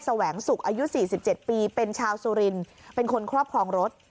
แหวงศุกร์อายุ๔๗ปีเป็นชาวสุรินเป็นคนครอบครองรถ